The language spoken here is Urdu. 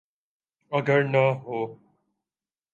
اگر نہ ہوں۔